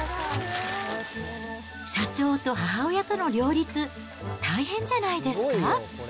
社長と母親との両立、大変じゃないですか？